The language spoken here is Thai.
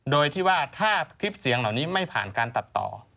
โดยที่ว่าถ้าคลิปเสียงเหล่านี้ไม่ผ่านการตัดต่อ